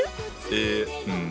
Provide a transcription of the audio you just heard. えうん。